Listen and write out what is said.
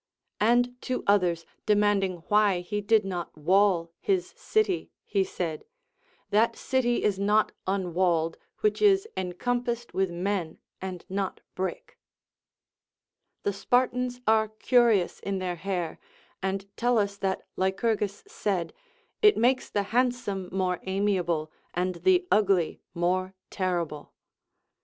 And to others demanding why he did not wall his city he said. That city is not unwalled Avhich is encompassed with men and not brick. The Spartans are curious in their hair, and tell us that Lycurgus said, It makes the handsome more amiable, and the ugly more terrible.